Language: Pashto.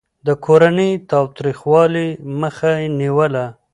د کورني تاوتريخوالي مخه يې نيوله.